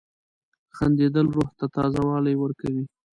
• خندېدل روح ته تازه والی ورکوي.